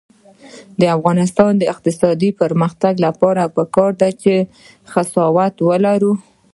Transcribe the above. د افغانستان د اقتصادي پرمختګ لپاره پکار ده چې سخاوت ولرو.